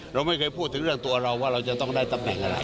เราไม่เคยพูดถึงเรื่องตัวเราว่าเราจะต้องได้ตำแหน่งอะไร